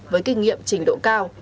với kinh nghiệm trình độ cao